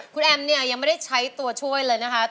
คุณแอมเนี่ยยังไม่ได้ใช้ตัวช่วยเลยนะคะ